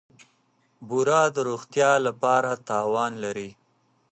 بوره د روغتیا لپاره تاوان لري.